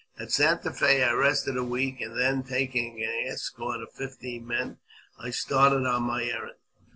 At Santa Fe I rested a week, and then, taking an escort of fifteen men, I started on my errand.